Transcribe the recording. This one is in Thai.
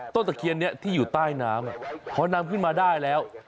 ตะเคียนนี้ที่อยู่ใต้น้ำพอนำขึ้นมาได้แล้ว